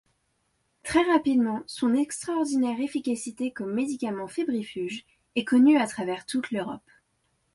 Très rapidement, son extraordinaire efficacité comme médicament fébrifuge est connue à travers toute l'Europe.